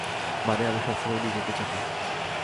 মানে, আমি সবসময় নিজেকে চাটি।